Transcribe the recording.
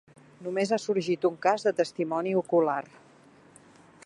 Només ha sorgit un cas de testimoni ocular.